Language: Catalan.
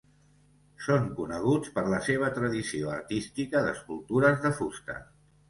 Són coneguts per la seva tradició artística d'escultures de fusta.